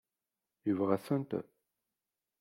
Yebɣa-tent?